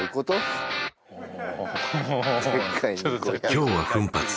今日は奮発